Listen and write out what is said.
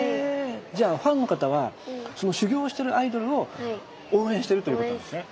じゃあファンの方はその修行してるアイドルを応援してるっていうことなんですね。